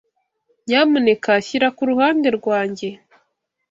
Nyamuneka shyira ku ruhande rwanjye.